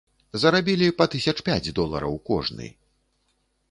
Зарабілі па тысяч пяць долараў кожны.